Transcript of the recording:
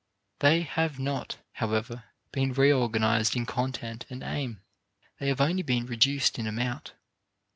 They have not, however, been reorganized in content and aim; they have only been reduced in amount.